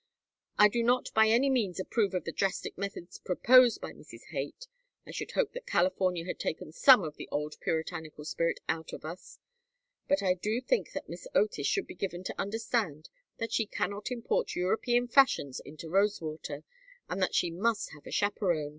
I do not by any means approve of the drastic methods proposed by Mrs. Haight I should hope that California had taken some of the old puritanical spirit out of us but I do think that Miss Otis should be given to understand that she cannot import European fashions into Rosewater, and that she must have a chaperon.